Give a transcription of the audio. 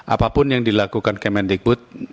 apapun yang dilakukan kementerian negeri